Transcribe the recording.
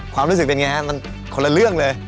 ความรู้สึกเป็นไงฮะมันคนละเรื่องเลย